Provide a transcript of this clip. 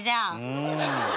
うん。